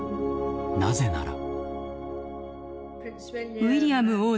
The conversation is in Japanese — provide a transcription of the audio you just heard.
なぜなら。